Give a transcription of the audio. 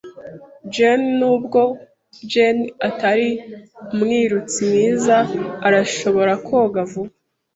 [Jane] Nubwo Jane atari umwirutsi mwiza, arashobora koga vuba.